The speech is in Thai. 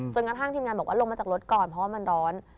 กระทั่งทีมงานบอกว่าลงมาจากรถก่อนเพราะว่ามันร้อน